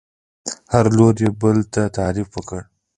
هر لوري بل ته تعریف ورکړ